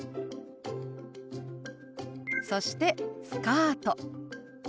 そして「スカート」。